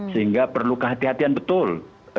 sehingga perlu kehatian kehatian betul